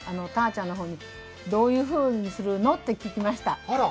ちゃんにどういうふうにするの？と聞きました。